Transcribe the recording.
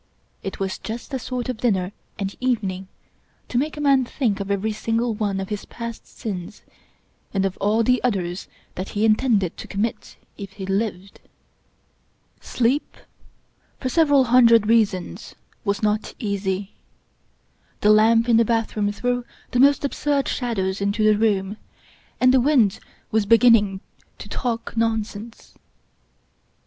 It was just the sort of dinner and evening to make a man think of every single one of his past sins, and of all the others that he intended to commit if he lived. Sleep, for several hundred reasons, was not easy. The lamp in the bath room threw the most absurd shadows into the room, and the wind was beginning to talk non sense.